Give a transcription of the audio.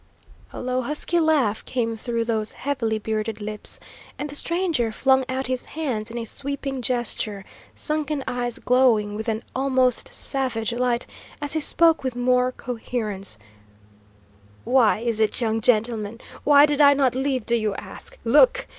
A low, husky laugh came through those heavily bearded lips, and the stranger flung out his hands in a sweeping gesture, sunken eyes glowing with an almost savage light as he spoke with more coherence: "Why is it, young gentleman? Why did I not leave, do you ask? Look!